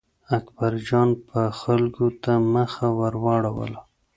اکبرجان به خلکو ته مخ ور واړاوه.